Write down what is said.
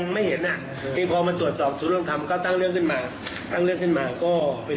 มีอยากแล้วก็มันเป็นความผิด